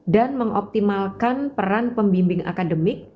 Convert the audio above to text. dan mengoptimalkan peran pembimbing akademik